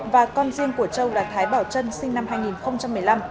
và con riêng của châu là thái bảo trân sinh năm hai nghìn một mươi năm